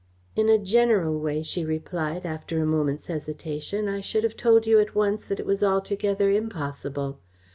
"In a general way," she replied, after a moment's hesitation, "I should have told you at once that it was altogether impossible.